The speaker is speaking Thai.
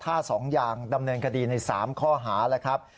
ฆ่า๒อย่างดำเนินคดีใน๓ข้อหาแล้วครับ